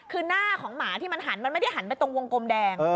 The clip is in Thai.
คือหน้าของหมาที่มันหันมันไม่ได้หันไปตรงวงกลมแดง